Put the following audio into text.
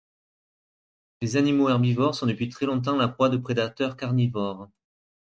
Les animaux herbivores sont depuis très longtemps la proie de prédateurs carnivores.